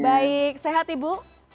baik sehat ibu